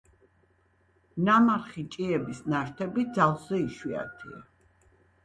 ნამარხი ჭიების ნაშთები ძალზე იშვიათია.